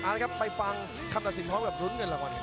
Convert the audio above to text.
เอาละครับไปฟังคำตัดสินพร้อมกับรุ้นกันละก่อนครับ